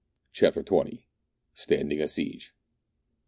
189 CHAPTER XX. STANDING A SIEGE.